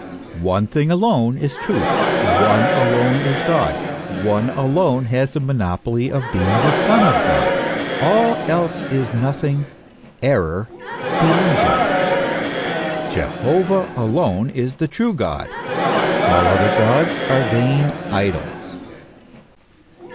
One thing alone is truth, one alone is God, one alone has the monopoly of being the Son of God ; all else is nothing, error, delusion. Jehovah alone is the true God ; all other gods are vain idols.